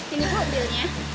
ini bu bilnya